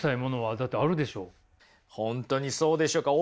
本当にそうでしょうか？